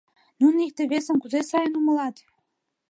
Нуно икте-весым кузе сайын умылат!..